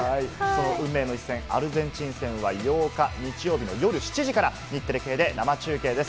運命の一戦、アルゼンチン戦は８日日曜日、夜７時から日テレ系で生中継です。